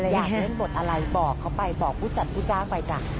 อยากเล่นบทอะไรบอกเขาไปบอกผู้จัดผู้จ้างไปจ้ะ